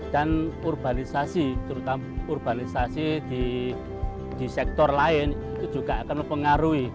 dan urbanisasi terutama urbanisasi di sektor lain itu juga akan mempengaruhi